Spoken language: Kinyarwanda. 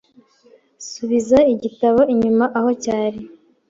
Subiza igitabo inyuma aho cyari.